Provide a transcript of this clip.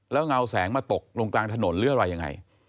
แล้วเงาแสงมาตกลงกลางถนนหรืออะไรยังไง